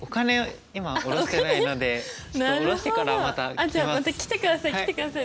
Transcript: あじゃまた来てください来てください。